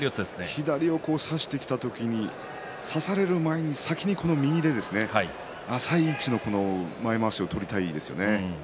左を差してきた時に差される前に先に右で浅い位置の前まわしを取りたいですよね。